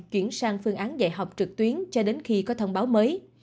lượt tuyến cho đến khi có thông báo mới